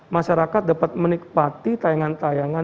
masyarakat dapat menikmati tayangan tayangan